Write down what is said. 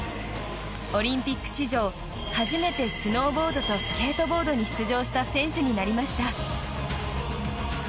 オリンピック史上初めてスノーボードとスケートボードに出場した選手になりました。